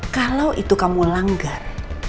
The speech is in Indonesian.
kalau itu kamu langgar